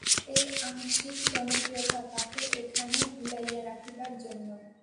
এই আকস্মিক জনপ্রিয়তা তাকে এখানে ভুলাইয়া রাখিবার জন্য।